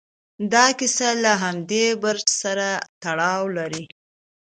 دا کیسه له همدې برج سره تړاو لري.